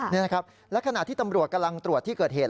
นี่นะครับและขณะที่ตำรวจกำลังตรวจที่เกิดเหตุ